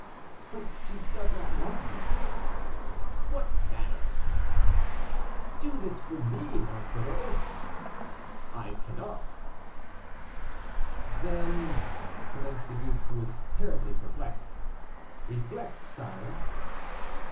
"But she does not love you." "What matter?" "Do this for me, Monsoreau." "I cannot." "Then " commenced the duke, who was terribly perplexed. "Reflect, sire."